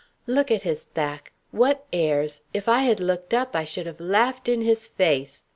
"Look at his back! What airs! If I had looked up I should have laughed in his face!"